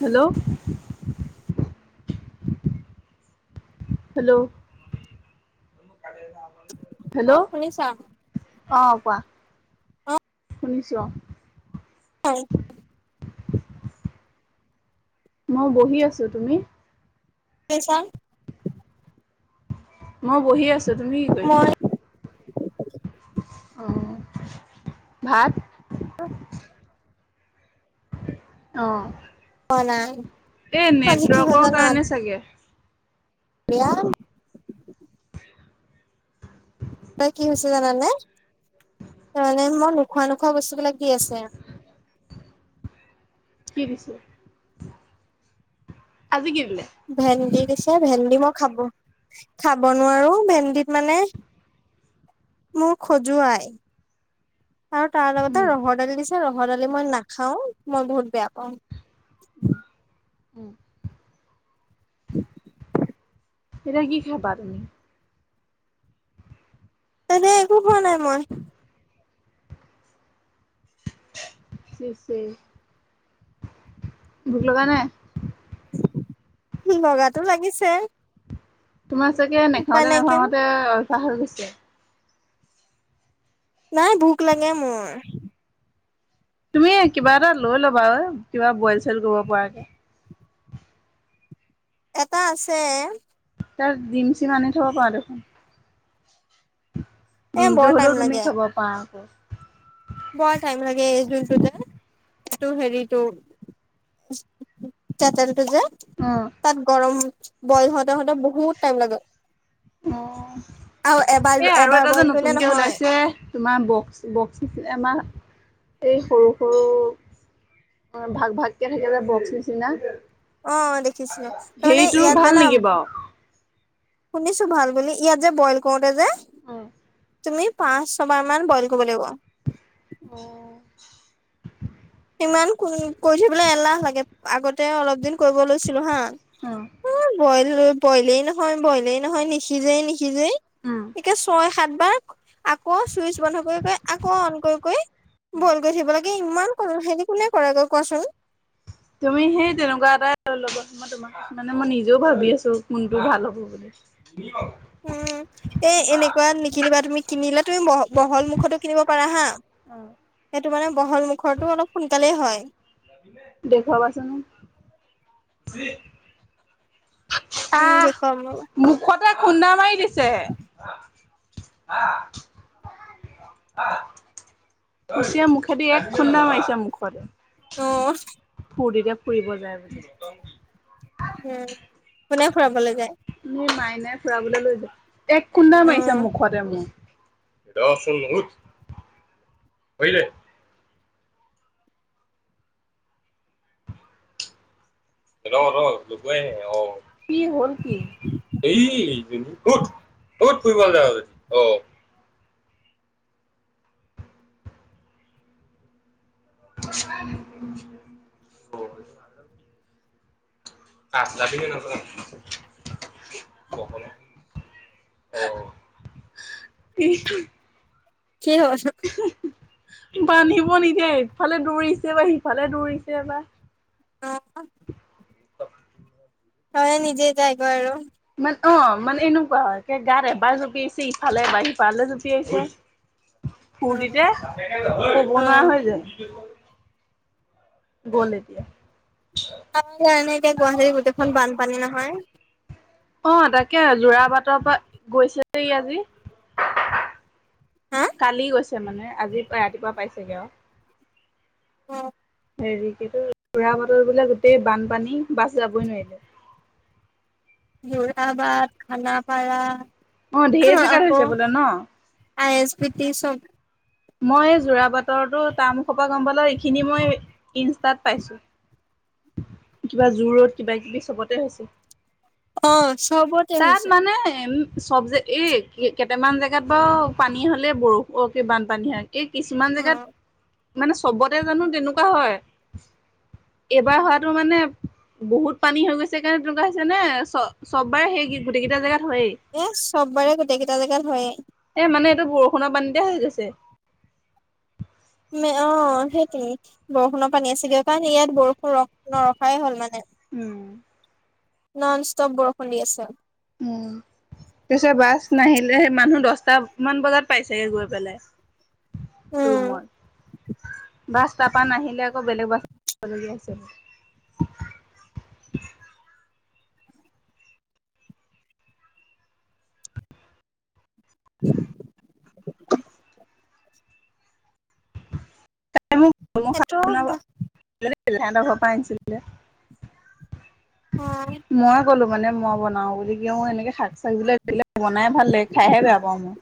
Hello hello hello অ শুনিছা অ কোৱা অ শুনিছো অ হয় মই বহি আছোঁ তুমি পি চাং মই বহি আছোঁ তুমি কি কৰিছা মই উম ভাত লো অ পোৱা নাই এ আজি কি হ'ল নেটৱৰ্কৰ কাৰণে চাগে এয়াম ত কি হৈছে জানানে তাৰমানে মই নোখোৱা কি নোখোৱা বস্তু বিলাক দি আছে কি দিছে আজি কি দিলে? ভেন্দি দিছে, ভেন্দি মই খাব খাব নোৱাৰো ভেন্দিত মানে মোক খজুৱাই আৰু তাৰ লগতে উম ৰহৰ দালি দিছে ৰহৰ দালি মই নাখাও, মই বহুত বেয়া পাওঁ। উম। [inaudible] এতিয়া কি খাবা তুমি? তেনে একো হোৱা নাই মই। চিচি ভোক লগা নাই? বগাটো লাগিছে। তোমাৰ চাগে উপায় নাইকিয়া নেখাওঁতে-নেখাওঁতে অভ্যাস হৈ গৈছে। নাই ভোক লাগে মোৰ। তুমি কিবা এটা লৈ ল'বা ঐ কিবা বইল-চইল কৰিব পৰাকে। এটা আছে। তাৰ ডিম-চিম আনি থব পাৰা দেখোন। এ ডিমটো বৰ টাইম হ'লেও তুমি লাগে খাব পাৰা আকৌ। বৰ টাইম লাগে [unintelligible] এইটো হেৰিটো [inaudible] উম। তাত গৰম বইল হওতে-হওতে বহুত টাইম লাগে। অঁ, আৰু এবাৰ এ আৰু এবাৰ এটা যে বইল কৰিলে নতুনকে নহয় ওলাইছে। তোমাৰ বক্স-বক্স নিচে আমাৰ এই সৰু-সৰু ভাগ-ভাগকে থাকে যে বক্স নিচিনা। অঁ, দেখিছিলো তাৰমানে সেইটো ইয়াত ভাল জানা নেকি বাৰু? শুনিছো ভাল বুলি ইয়াত যে বইল কৰোতে যে উম। তুমি পাঁচ, ছবাৰ মান বইল কৰিব লাগিব। অঁ। সিমান কৈ কৰিথবলৈ এলাহ লাগে, আগতে অলপ দিন কৰিব লৈছিলো হা অ, বইল, বইলেই নহয়, বইলেই নহয় নিসিজেই নি খিজেই উম এতিয়া ছয়-সাত বাৰ আকৌ চুইচ বন্ধ কৰি-কৰি আকৌ অন কৰি-কৰি বইল কৰি থাকিব লাগে ইমান উ হেৰি কোনে কৰেগৈ কোৱাচোন? তুমি সেই তেনেকুৱা এটাই লগোৱা মই তোমাক মানে মই নিজেও ভাবি আছো কোনটো ভাল হ'ব বুলি। [inaudible] উম, এ এনেকুৱা নিকিনিবা তুমি কিনিলে তুমি ব বহল মুুখতো কিনিব পাৰা হা সেইটো মানে বহল মুখৰটো অলপ সোনকালেই হয়। দেখুৱাবা চোন। [inaudible] উম, আহ। দেখুৱাম ৰবা মুখতে খুন্দা মাৰি দিছে ঘুচিয়াই মুখেদি এক খুন্দা মাৰিছে মুখত। [inaudible] ফূৰ্তিতে ফুৰিব যায় বোলে। উম কোনে ফুৰাবলে যায়। তুমি মাইনাই ফুৰাবলৈ লৈ যা এক খুন্দাই মাৰিছা অ'। মুখতে মোৰ। ৰ চোন উঠ ধৰি দে, ৰ ৰ লগাই অ কি হ'ল কি। এই এইজনী কত কত ফুৰিব যায় আৰু অ, অ, [unintelligible] কখনো অ। [unintelligible] কি হব, বান্ধিব নিদিয়ে ইফালে দৌৰিছে এবা সিফালে দৌৰিছে এবা। অ [unintelligible] হয় নিজে যায় গৈ আৰু মানে অ মানে এনেকুৱা হয় কে গা এবাৰ জঁপিয়াইছে ইফালে এবাৰ সিফালে জঁপিয়াইছে। উম, ফূৰ্তিতে, কবনোৱা অ'। হৈ যায় গ'ল এতিয়া। তাত হে এনেকে গুৱাহাটীত গোটেইখন বানপানী নহয়। অ তাকে যোৰা বাটৰ পৰা গৈছে যে ই আজি। হা কালি গৈছে মানে আজি ৰাতিপুৱা পাইছেগে আৰু অ হেৰি কি কয় যোৰাবাটৰ বোলে গোটেই বানপানী বাছ যাবই নোৱাৰিলে। যোৰাবাট খানাপাৰা। অ ঢেৰ জেগাত আকৌ হৈছে বোলে ন। আই এছ বি টি চব। মই যোৰাবাটৰ টো টাৰ্ম মোখপা গম পালো এইখিনি মই ইনষ্টাত পাইছো। কিবা জু ৰোড কিবা কিবি চবতে হৈছে। অ', চবতে তাত হৈছে মানে উ, চব যে এই কেইটামান জেগাত বাৰু পানী হ'লে বৰষুণ অ বানপানী, পানী হয় এই কিছুমান জেগাত অ'। মানে চবতে জানো তেনেকুৱা হয়। এইবাৰ হোৱাটো মানে। বহুত পানী হৈ গৈছে কাৰণে তেনেকুৱা হৈছে নে চ চব বাৰে সেই গোটেই কেইটা জেগাত হয়েই। এ চব বাৰে গোটেই কেইটা জেগাত হয় য়েই। এ মানে এইটো বৰষুণৰ পানীতে হৈ গৈছে। অ সেইটোৱেই বৰষুণৰ পানী আছিলে কাৰণে ইয়াত বৰষুণ ৰ নৰখাই হ'ল মানে। উম নন ষ্টপ বৰষুণ দি আছে। উম তাৰপাছত বাছ নাহিলে মানুহ দছটা মান বজাত পাইছেগে গৈ পেলাই। উম, ৰুমত বাছ তাৰপা নাহিলে আকৌ বেলেগ বাছত আহিব লগিয়া হৈছে। [unintelligible] তাই মোক সেইটো সিহঁতৰ ঘৰ পৰা আনিছিলে। অ মই ক'লো মানে মই বনাওঁ বুলি কিয় মই এনেকে শাক চাক বিলাক দিলে বনাই ভাল লাগে খাইহে বেয়া পাওঁ মই।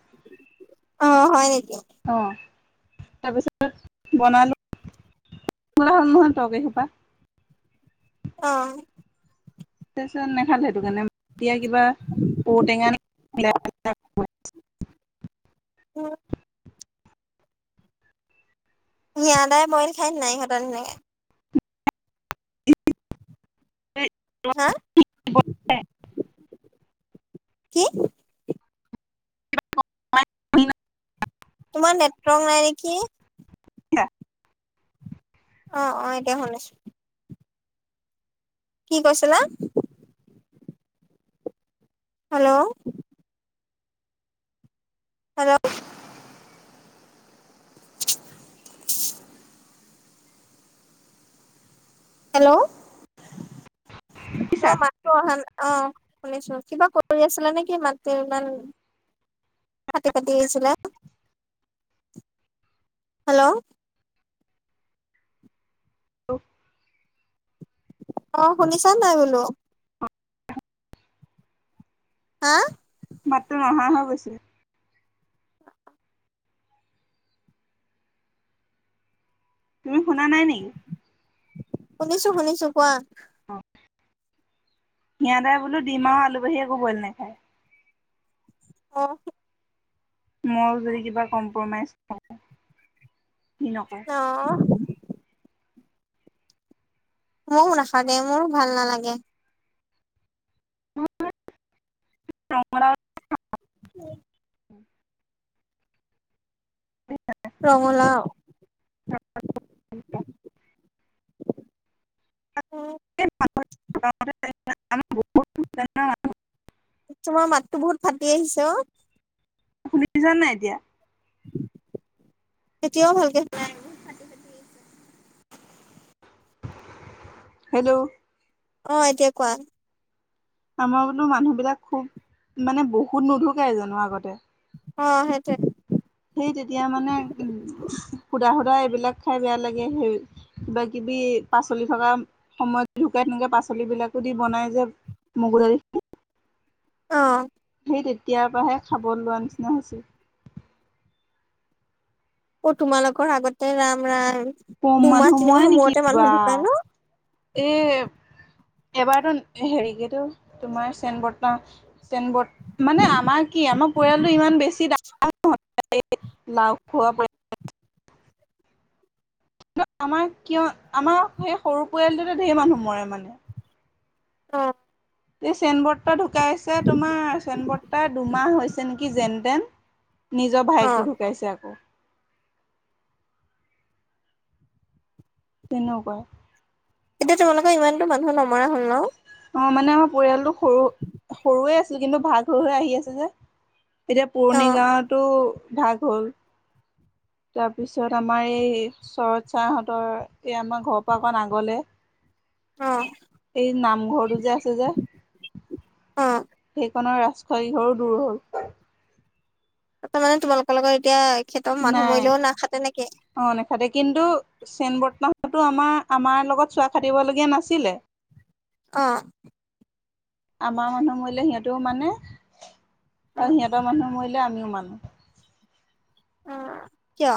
অ হয় নেকি। অ তাৰপিছত বনালো। তোলা হ'ল নহয় তৰকাৰী সোপা। অ, তাৰপিছত নাখালে সেইটো কাৰণে এতিয়া কিবা ঔটেঙা। উম। সিহঁতে বইল খাই নাই সিহঁতে ধুনীয়াকে। হা- কি? [unintelligible] তোমাৰ নেটৱৰ্ক নাই নেকি? আ। অ অ এতিয়া শুনিছোঁ। কি কৈছিলা? হেল্ল', হেল্ল', হেল্ল', অ তোমাৰ মাতটো অহা নাই অ শুনিছো কিবা কৈছিলা? ফুৰি আছিলে নেকি মাত ইমান ফাটি ফাটি আহিছিলে? হেল্ল', [unintelligible] অ শুনিছা নাই বোলো। হা, মাতটো নহা হৈ গৈছে। তুমি শুনা নাই নেকি? শুনিছোঁ শুনিছোঁ কোৱা। অ, সিহঁতে বোলো ডিমা আৰু আলুৰ বাহিৰে একো বইল নাখায়। অঁ, মই যদি কিবা কম্প্ৰমাইজ‌ নকওঁ কি নকওঁ? অ, ময়ও নাখাও মোৰো ভাল নালাগে। [unintelligible] উম। ৰঙলাউ। অ, [unintelligible] তোমাৰ মাতো বহুত ফাটি আহিছে অ। শুনিছা নাই এতিয়া। এতিয়াও ভালকে নাই হেল্ল', অ এতিয়া কোৱা। আমাৰ বোলো মানুহ বিলাক খুব মানে বহুত নুধুকে জানো আগতে- অ সেইটোৱে। সেই তেতিয়া মানে সুধা সুধা এইবিলাক খাই বেয়া লাগে সেই- কিবা কিবি পাচলি থকা সময়ত যেনুকা তেনুকা পাচলি বিলাকো দি বনাই যে- মগু দাইল। অঁ। সেই তেতিয়াৰ পৰাহে খাব লোৱাৰ নিচিনা হৈছে। অ তোমালোকৰ আগতে ৰাম ৰাম। কম দুমাহ মানুহ মৰে তিনিমাহৰ নেকি মূৰতে কিবা। মানুহ ঢুকাই ন এই এবাৰতো হেৰিকেতো তোমাৰ চেন বৰ্তা। চেন বৰ্ত মানে আমাৰ কি আমাৰ পৰিয়ালটো ইমান বেছি ডাঙ ৰ লাও খোৱাব। কি আমাৰ কিয় আমাৰ সেই সৰু পৰিয়ালটোতে ধেৰ মানুহ মৰে মানে। অঁ। এই চেন বৰ্তা ঢুকাইছে তোমাৰ চেন বৰ্তাৰ দুমাহ হৈছে নেকি যেন তেন। নিজৰ অ ভাইকটো ঢুকাইছে আকৌ। তেনেকুৱা। এতিয়া তোমালোকৰ ইমানতো মানুহ ন মৰা হ'ল ন? অঁ, মানে আমাৰ পৰিয়ালটো সৰু সৰুৱে আছিল কিন্তু ভাগ হৈ হৈ আহি আছে যে। এতিয়া অ পুৰণি গাঁৱতো ভাগ হ'ল। তাৰপিছত আমাৰ এই চৰৎ চাৰহঁতৰ এই আমাৰ ঘৰৰ পৰা অকণ আগলৈ। অঁ। এই নামঘৰটো যে, আছে যে। অ সেইখনৰ ৰাস্তা ইঘৰো দূৰ হল। ত মানে তোমালোকৰ লগত এতিয়া খেতৰ মানুহ মৰিলেও নাখাতে নেকি? অঁ নাখতে কিন্তু চেন বৰ্তাহততো আমাৰ আমাৰ লগত চোৱা খাটিবলগীয়া নাছিলে। [unintelligible] অঁ। আমাৰ মানুহ মৰিলে সিহঁতেও মানে। আৰু সিহঁতৰ মানুহে মৰিলে আমিও মানো। অঁ, কিয়?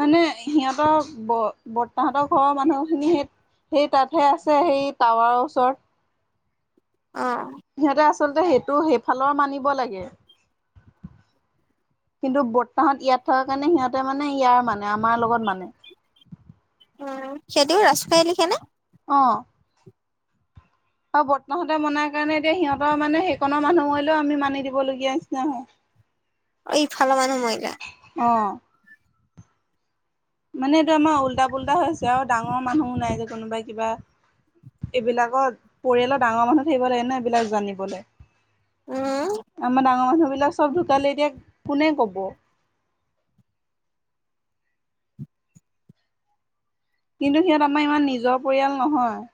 মানে সিহঁতৰ ব বৰ্তাহতৰ ঘৰৰ মানুহখিনি সেই, সেই তাতহে আছে সি টাৱাৰৰ ওচৰত। অঁ। সিহঁতে আচলতে সেইটো সেইফালৰ মানিব লাগে। কিন্তু বৰ্তাহত ইয়াত থকাৰ কাৰণে সিহঁতে মানে ইয়াৰ মানে আমাৰ লগত মানে। উম, সিহতিও ৰাজখোৱাই লিখেনে? অঁ। আৰু বৰ্তাহতে মনাৰ কাৰণে এতিয়া সিহঁতৰ মানে সেইকনৰ মানুহ মৰিলেও আমি মানি দিবলগীয়া নিচিনা হয়। [unintelligible] অ ইফালৰ মানুহ মৰিলে। অঁ। মানে এইটো আমাৰ উল্টা পুল্টা হৈ আছে আৰু ডাঙৰ মানুহো নাই যে কোনোবাই কিবা এইবিলাকত পৰিয়ালৰ ডাঙৰ মানুহ থাকিব লাগে ন এইবিলাক জানিবলে। উম আমাৰ ডাঙৰ মানুহ বিলাক চব ঢুকালে এতিয়া কোনে কব। কিন্তু সিহঁত আমাৰ ইমান নিজৰ পৰিয়াল নহয়।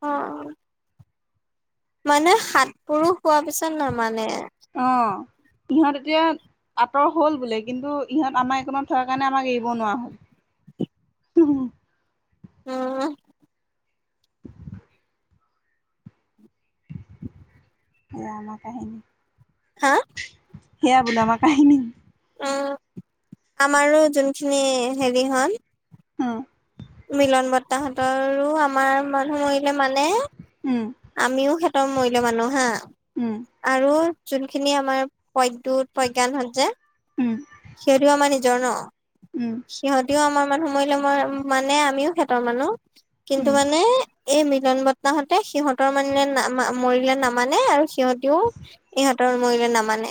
অঁ। মানে সাতপুৰুস হোৱাৰ পিছত নামানে। অঁ, সিহঁত এতিয়া, আঁতৰ হল বোলে কিন্তু ইহঁত আমাৰ এইকনত থকাৰ কাৰণে আমাক এৰিব নোৱাৰা হ'ল। ওম উম এয়া আমাৰ কাহিনী। হা? সেয়া, বোলে আমাৰ কাহিনী। ওম আমাৰো যোনখিনি হেৰি হল। ওম। মিলন বৰতা হতৰো আমাৰ মানুহ মৰিলে মানে। উম আমিও সেতৰ মৰিল মানো হা। উম আৰু যোনখিনি আমাৰ প্ৰদ্যুত প্ৰজ্ঞানহঁত যে। উম সিঁহতিও আমাৰ নিজৰ ন। উম। সিহঁতিও আমাৰ মানুহ মৰিলে মই মানে আমিও সেহঁতৰ মানুহ কিন্তু উম মানে এই মিলন বৰটাহঁতে সিহঁতৰ মানে না মা মৰিলে নামানে আৰু সিহঁতিও ইহঁত ত মৰিলে নামানে,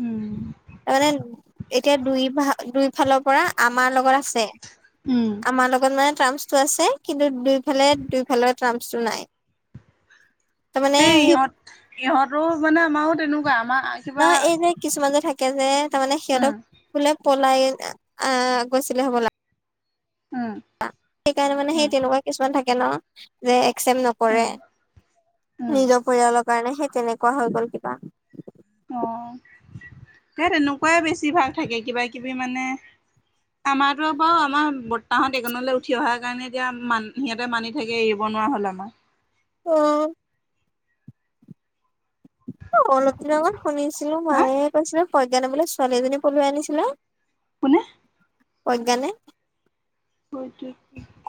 উম তাৰ মানে এতিয়া দুই ভা দুই ফালৰ পৰা আমাৰ লগত আছে। উম। আমাৰ লগত মানে, টাৰ্মচ টো আছে কিন্তু দুইফালে দুইফালৰ ট্ৰামচ টো নাই। তাৰমানে এই সেই ইহঁত ইহঁতো মানে আমাৰো তেনেকুৱা আমাৰ ন কিবা এই যে কিছুমান যে থাকে যে, তাৰমানে সিহঁতক উম বোলে পলাই আহ গৈছিলে হবলা। উম সেইকাৰণে মানে সেই উম তেনেকুৱা কিছুমান থাকে ন, যে একচেপট ন কৰে উম উম নিজৰ পৰিয়ালৰ কাৰণে, সেই তেনেকুৱা হৈ গল কিবা। অঁ ত তেনেকুৱাই বেছি ভাগ থাকে, কিবা কিবি মানে। আমাৰতো বাও আমাৰ বৰতাহঁতদিগণলৈ উঠি অহাৰ কাৰণে এতিয়া মান সিহঁতে মানি থাকে এৰিব নোৱাৰা হ'ল আমাৰ। অঁ, অঁ, অলপ দিনৰ আগত শুনিছিলো হা মায়ে কৈছিল প্ৰজ্ঞান বোলে ছোৱালী এজনী পলুৱাই আনিছিলে? কোনে? অজ্ঞানে অটো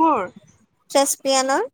কৰ? চেছপিয়ানৰ।